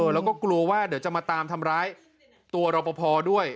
แล้วก็กลัวว่าเดี๋ยวจะมาตามทำร้ายตัวรอปภด้วย